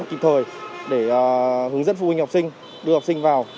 kịp thời để hướng dẫn phụ huynh học sinh đưa học sinh vào